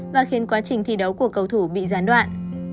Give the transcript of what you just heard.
và khiến quá trình thi đấu của cầu thủ bị gián đoạn